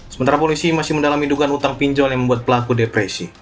sementara polisi masih mendalami dugaan utang pinjol yang membuat pelaku depresi